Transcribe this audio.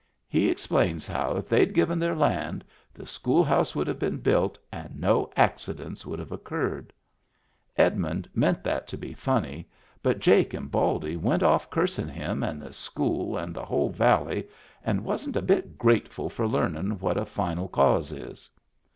He explains how if they'd given their land, the school house would have been built and no accidents would have occurred. Edmund meant that to be funny, but Jake and Baldy went ofif cursin* him and the school and the whole val ley, and wasn't a bit grateful for leamin' what a final cause is.